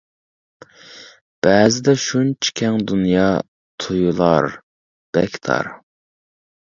بەزىدە شۇنچە كەڭ دۇنيا تۇيۇلار بەك تار.